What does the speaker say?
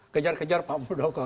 kejar kejar pak murdoko